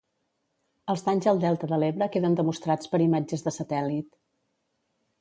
Els danys al delta de l'Ebre queden demostrats per imatges de satèl·lit.